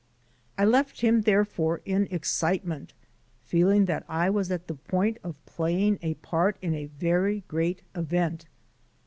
I left him, therefore, in excitement, feeling that I was at the point of playing a part in a very great event.